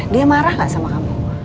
dia marah gak sama kamu